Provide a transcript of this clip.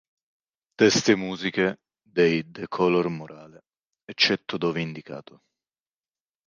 Testi e musiche dei The Color Morale, eccetto dove indicato.